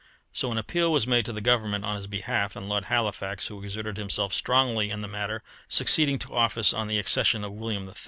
So an appeal was made to the Government on his behalf, and Lord Halifax, who exerted himself strongly in the matter, succeeding to office on the accession of William III.